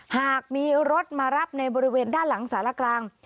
หากมีรถมารับในบริเวณด้านหลังสารกลาง